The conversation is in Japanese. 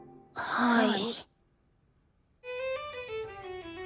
はい。